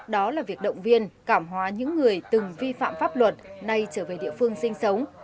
đó là việc động viên cảm hóa những người từng vi phạm pháp luật nay trở về địa phương sinh sống